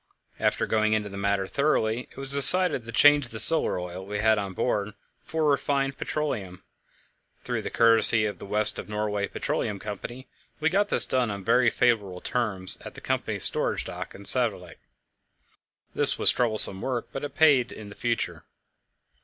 After going into the matter thoroughly, it was decided to change the solar oil we had on board for refined petroleum. Through the courtesy of the West of Norway Petroleum Company, we got this done on very favourable terms at the company's storage dock in Skaalevik. This was troublesome work, but it paid in the future.